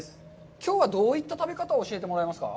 きょうはどういった食べ方を教えてもらえますか。